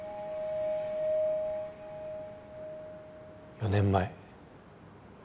４年前。